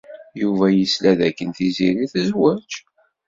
Yuba yesla dakken Tiziri tezweǧ.